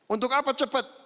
untuk apa cepat